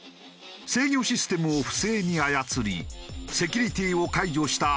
制御システムを不正に操りセキュリティーを解除した